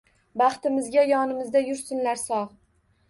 Baxtimizga yonimizda yursinlar sog